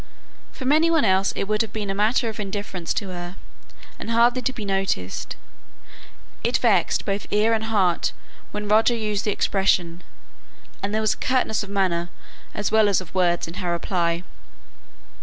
From any one else it would have been a matter of indifference to her, and hardly to be noticed; it vexed both ear and heart when Roger used the expression; and there was a curtness of manner as well as of words in her reply.